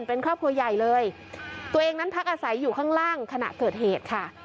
เป็นครอบครัวใหญ่เลยตัวเองนั้นพักอาศัยอยู่ข้างล่างขณะเกิดเหตุค่ะ